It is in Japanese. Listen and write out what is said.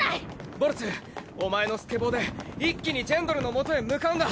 ボルツお前のスケボーで一気にジェンドルのもとへ向かうんだ。